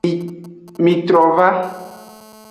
Mitrova.